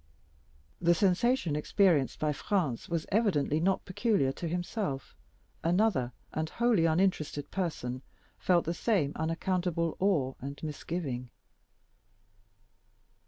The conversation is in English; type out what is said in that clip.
The sensation experienced by Franz was evidently not peculiar to himself; another, and wholly uninterested person, felt the same unaccountable awe and misgiving.